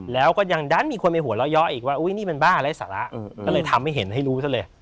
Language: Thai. แล้วก็ยังดันมีคนไปหัวเราะย้ออีกว่าอุ้ยนี่มันบ้าไร้สาระก็เลยทำให้เห็นให้รู้ซะเลย